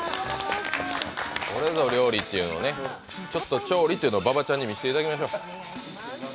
これぞ料理というのを調理というのを馬場ちゃんに見せていただきましょうか。